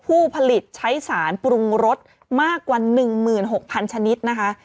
ผู้ผลิตใช้สารปรุงรสมากกว่า๑๖๐๐ชนิดนะคะ